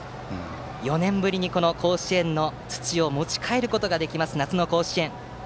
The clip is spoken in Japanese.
４年ぶりに甲子園の土を持ち帰ることができます夏の甲子園。